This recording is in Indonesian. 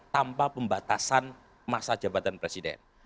tanpa pembatasan masa jabatan presiden